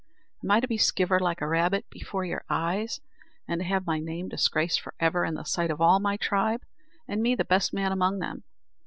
Am I to be skivered like a rabbit before your eyes, and to have my name disgraced for ever in the sight of all my tribe, and me the best man among them?